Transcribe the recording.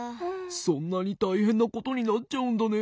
そんなにたいへんなことになっちゃうんだね。